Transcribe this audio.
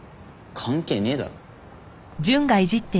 関係ねえだろ。